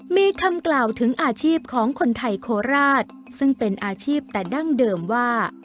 มีคำกล่าวถึงอาชีพของคนไทยโคราชซึ่งเป็นอาชีพแต่ดั้งเดิมว่า